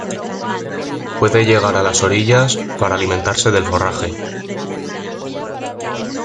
Puede llegar a las orillas para alimentarse del forraje.